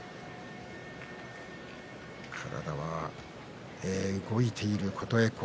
体はよく動いている琴恵光。